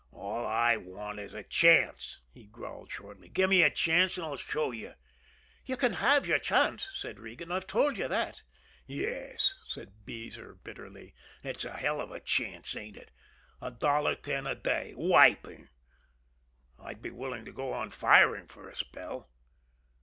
"All I want is a chance," he growled shortly. "Give me a chance, and I'll show you." "You can have your chance," said Regan. "I've told you that." "Yes," said Beezer bitterly. "It's a hell of a chance, ain't it? A dollar ten a day wiping! I'd be willing to go on firing for a spell."